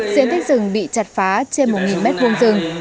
diện tích rừng bị chặt phá trên một m hai rừng